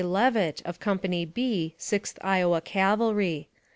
Leavitt, of Company B, Sixth Iowa Cavalry.